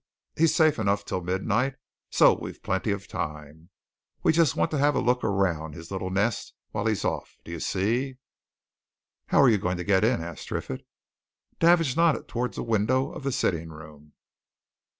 He's safe enough till midnight, so we've plenty of time. We just want to have a look around his little nest while he's off it, d'you see?" "How are you going to get in?" asked Triffitt. Davidge nodded towards the window of the sitting room.